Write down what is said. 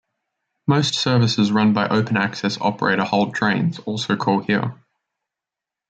Most services run by open access operator Hull Trains also call here.